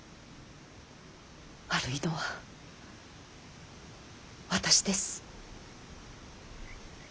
悪いのは私です。